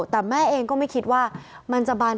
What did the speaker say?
แต่แม่เองก็ไม่คิดว่ามัน